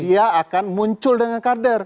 dia akan muncul dengan kader